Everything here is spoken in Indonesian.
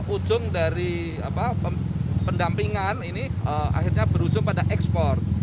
ujung dari pendampingan ini akhirnya berujung pada ekspor